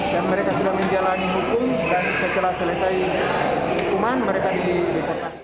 dan mereka sudah menjalani hukum dan sejelas selesai hukuman mereka dideportasi